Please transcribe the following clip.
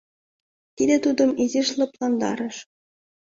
Тиде тудым изиш лыпландарыш.